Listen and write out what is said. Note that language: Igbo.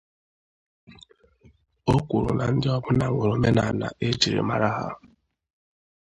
O kwuru na ndị ọbụla nwere omenala e jiri mara ha